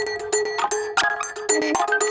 kau mau kemana